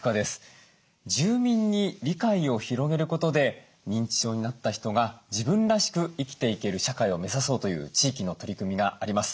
住民に理解を広げることで認知症になった人が自分らしく生きていける社会を目指そうという地域の取り組みがあります。